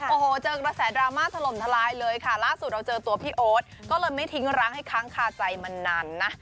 โอ้โหเจอกระแสดราม่าถล่มทลายเลยค่ะล่าสุดเราเจอตัวพี่โอ๊ตก็เลยไม่ทิ้งร้างให้ค้างคาใจมานานนะ